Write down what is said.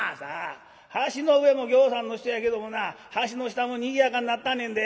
「橋の上もぎょうさんの人やけどもな橋の下もにぎやかになったぁんねんで」。